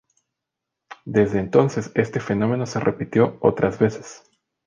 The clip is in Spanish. Desde entonces, este fenómeno se repitió otras veces.